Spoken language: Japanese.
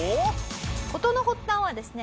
事の発端はですね